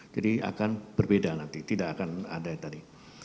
jadi akan berbeda nanti tidak akan ada tadi